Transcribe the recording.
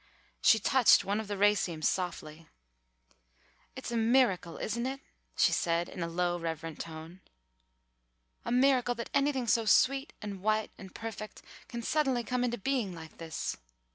She touched one of the racemes softly. "It's a miracle, isn't it!" she said in a low, reverent tone. "A miracle that anything so sweet and white and perfect can suddenly come into being like this.